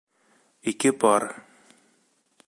Ике пар